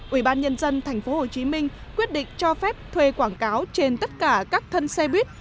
ủy ban nhân dân tp hcm quyết định cho phép thuê quảng cáo trên tất cả các thân xe buýt